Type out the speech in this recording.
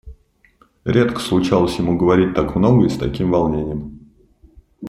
Редко случалось ему говорить так много и с таким волнением.